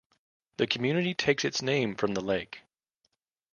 The community takes its name from the lake.